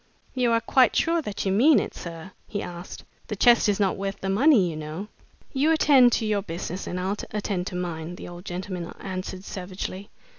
"You are quite sure that you mean it, sir?" he asked. "The chest is not worth the money, you know." "You attend to your business and I'll attend to mine!" the old gentleman answered, savagely.